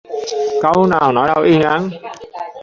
Cấu vào nỗi đau yên ắng